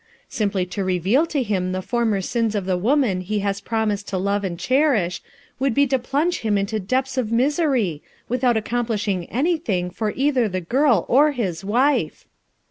Simply to reveal to him the former sins of the woman he has promised to love and cherish, JUSTICE OR MERCY? 33, would be to plunge him into depths of misery without accomplishing anything for either the girl or his wife."